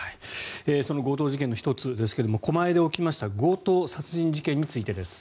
その強盗事件の１つですが狛江で起きました強盗殺人事件についてです。